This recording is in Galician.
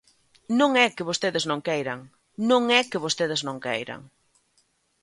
¡Non é que vostedes non queiran, non é que vostedes non queiran!